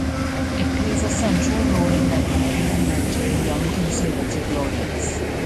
It plays a central role in networking and mentoring young conservative lawyers.